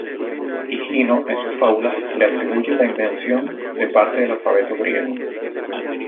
Higino, en sus "Fábulas" le atribuye la invención de parte del alfabeto griego.